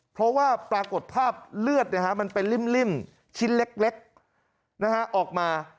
เพราะว่าปรากฏภาพเลือดมันเป็นริ่มชิ้นเล็กออกมา